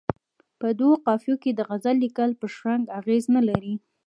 په دوو قافیو کې د غزل لیکل پر شرنګ اغېز نه لري.